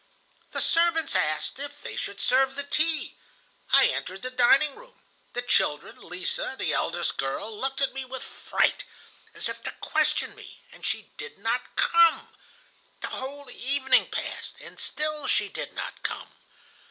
"The servants asked if they should serve the tea. I entered the dining room. The children, Lise, the eldest girl, looked at me with fright, as if to question me, and she did not come. The whole evening passed, and still she did not come.